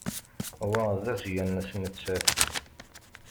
Wa d asga-nnes nettat.